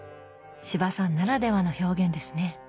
司馬さんならではの表現ですね